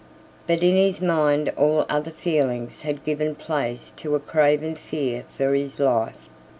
But in his mind all other feelings had given place to a craven fear for his life.